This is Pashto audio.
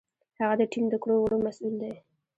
هغه د ټیم د کړو وړو مسؤل دی.